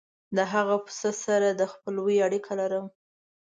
د هغه پسه سره د خپلوۍ اړیکه لرم.